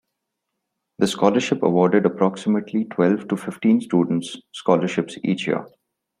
The scholarship awarded approximately twelve to fifteen students scholarships each year.